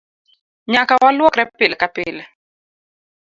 Nyaka walwokre pile ka pile.